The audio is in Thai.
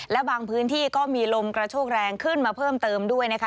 และบางพื้นที่ก็มีลมกระโชกแรงขึ้นมาเพิ่มเติมด้วยนะคะ